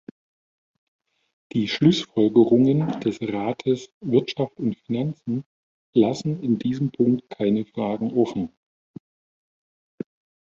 Die Schlussfolgerungen des Rates "Wirtschaft und Finanzen" lassen in diesem Punkt keine Fragen offen.